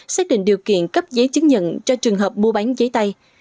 xác định điều kiện cấp giấy chứng nhận cho trường hợp mua bán giấy tay